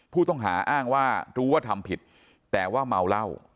ผู้ต้องหาอ้างว่ารู้ว่าทำผิดแต่ว่าเมาเหล้า